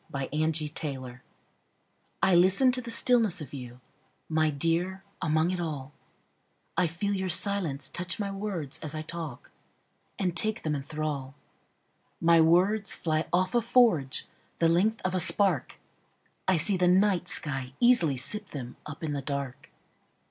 Listening I LISTEN to the stillness of you, My dear, among it all;I feel your silence touch my words as I talk, And take them in thrall.My words fly off a forgeThe length of a spark;I see the night sky easily sip themUp in the dark.